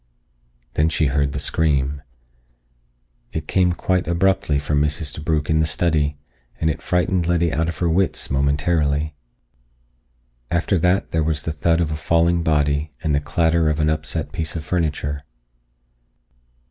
Then she heard the scream. It came quite abruptly from Mrs. DeBrugh in the study, and it frightened Letty out of her wits momentarily. After that there was the thud of a falling body and the clatter of an upset piece of furniture.